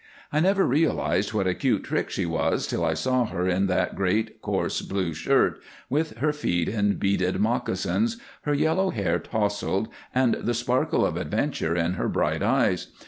I never realized what a cute trick she was till I saw her in that great, coarse, blue shirt with her feet in beaded moccasins, her yellow hair tousled, and the sparkle of adventure in her bright eyes.